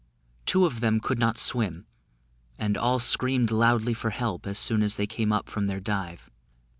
Two of them could not swim, and all screamed loudly for help as soon as they came up from their dive.